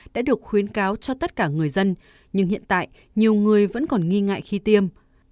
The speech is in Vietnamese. đã được khuyến cáo cho tất cả người dân nhưng hiện tại nhiều người vẫn còn nghi ngại khi tiêm